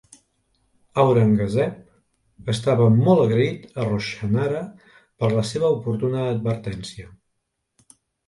Aurangazeb estava molt agraït a Roshanara per la seva oportuna advertència.